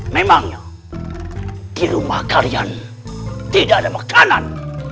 memangnya di rumah kalian tidak ada makanan